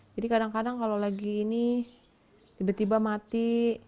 jadi kadang kadang kalau lagi ini tiba tiba mati